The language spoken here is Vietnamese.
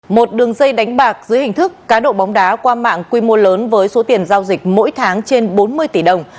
một đường dây đánh bạc dưới hình thức cá độ bóng đá qua mạng quy mô lớn với số tiền giao dịch mỗi tháng trên bốn mươi tỷ đồng